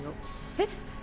えっ？